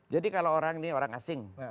jadi kalau orang ini orang asing